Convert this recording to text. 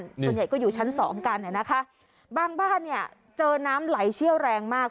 ส่วนใหญ่ก็อยู่ชั้นสองกันอ่ะนะคะบางบ้านเนี่ยเจอน้ำไหลเชี่ยวแรงมาก